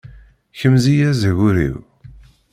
Kmez-iyi azagur-iw.